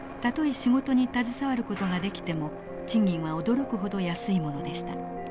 仕事に携わる事ができても賃金は驚くほど安いものでした。